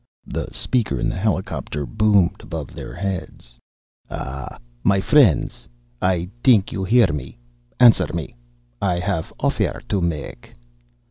The speaker in the helicopter boomed above their heads. "Ah, my friends! I think you hear me. Answer me. I haff an offer to make."